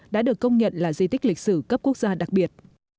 đã được công nhận là di tích lịch sử cấp quốc gia đặc biệt